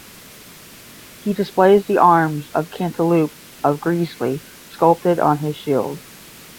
He displays the arms of Cantilupe of Greasley sculpted on his shield.